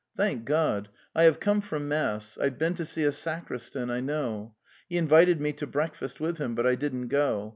"Thank God: .,,, 1 have come from mass. ... I've been to see a sacristan I know. He in vited me to breakfast with him, but I didn't go.